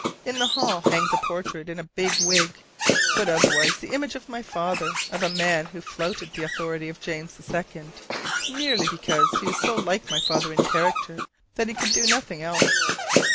In the hall hangs a portrait in a big wig, but otherwise the image of my father, of a man who flouted the authority of James II. merely because he was so like my father in character that he could do nothing else.